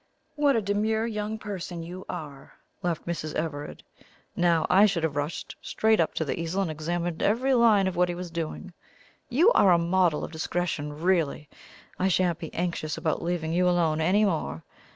"What a demure young person you are!" laughed Mrs. Everard. "Now, I should have rushed straight up to the easel and examined every line of what he was doing. You are a model of discretion, really! I shan't be anxious about leaving you alone any more.